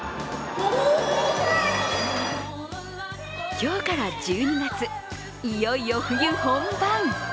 今日から１２月、いよいよ冬本番。